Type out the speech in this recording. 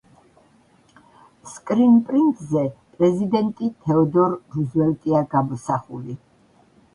სკრინპრინტზე, პრეზიდენტი თეოდორ რუზველტია გამოსახული.